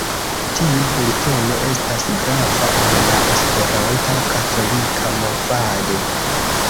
Tiu bulteno estas grava al la Esperanta Katolika Movado.